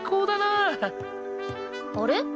あれ？